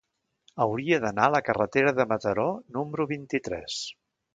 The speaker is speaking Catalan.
Hauria d'anar a la carretera de Mataró número vint-i-tres.